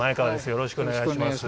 よろしくお願いします。